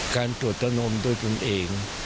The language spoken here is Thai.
การตรวจตนมด้วยตนเอง